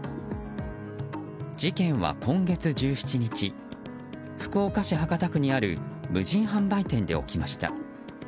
事件は今月１７日福岡市博多区にある無人販売店で起きました。